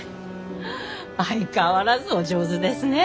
相変わらずお上手ですね。